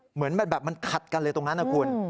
เหมือนแบบมันขัดกันเลยตรงนั้นนะคุณ